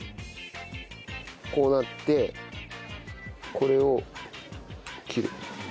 こうなってこれを切る。